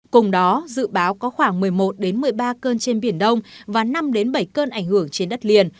cùng đó dự báo có khoảng một mươi một một mươi ba cơn trên biển đông và năm bảy cơn ảnh hưởng trên đất liền